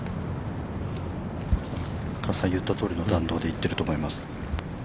◆加瀬さんが言ったとおりの弾道で行っていると思います。